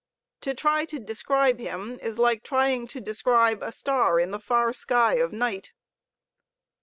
To try to describe him is like trying to describe a star in the far sky of night.